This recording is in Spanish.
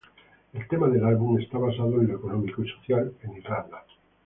El tema del álbum es basado en lo económico y social en Irlanda.